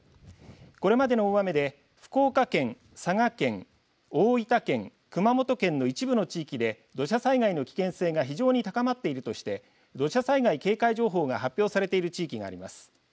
これまでの大雨で福岡県、佐賀県大分県、熊本県の一部の地域で土砂災害の危険性が非常に高まっているとして土砂災害警戒情報が発表されている地域があります。